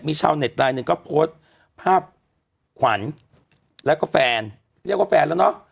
มีชาวเน็ตไลน์หนึ่งก็โพสต์ภาพขวัญแล้วก็แฟนเรียกว่าแฟนแล้วเนอะ